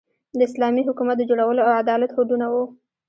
د اسلامي حکومت د جوړولو او عدالت هوډونه وو.